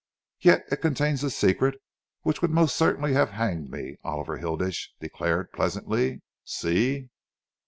"Yet it contains a secret which would most certainly have hanged me," Oliver Hilditch declared pleasantly. "See!"